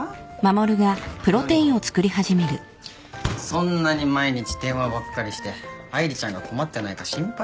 そんなに毎日電話ばっかりして愛梨ちゃんが困ってないか心配だよ。